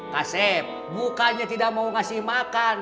kasem bukannya tidak mau ngasih makan